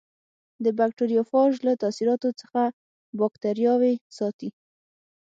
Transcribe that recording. د بکټریوفاژ له تاثیراتو څخه باکتریاوې ساتي.